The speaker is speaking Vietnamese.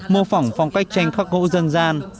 mô phỏng phong cách tranh khắc hữu dân gian